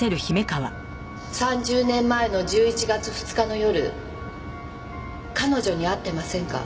３０年前の１１月２日の夜彼女に会ってませんか？